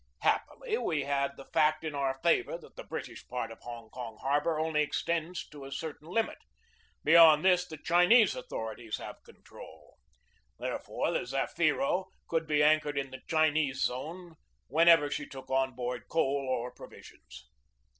Happily, we had the fact in our favor that the Brit ish part of Hong Kong harbor only extends to a cer tain limit; beyond this the Chinese authorities have control. Therefore the Zafiro could be anchored in the Chinese zone whenever she took on board coal or provisions.